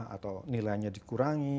atau nilainya dikurangi